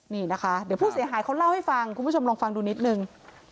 นี่นะคะเดี๋ยวผู้เสียหายเขาเล่าให้ฟังคุณผู้ชมลองฟังดูนิดนึง